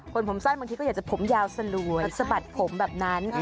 คนผมสั้นบางทีจะมีผมยาวสลวยสบัดผมแบบนั้น